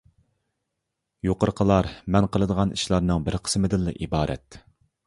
يۇقىرىقىلار مەن قىلىدىغان ئىشلارنىڭ بىر قىسمىدىنلا ئىبارەت.